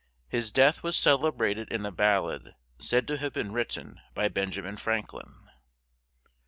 His death was celebrated in a ballad said to have been written by Benjamin Franklin.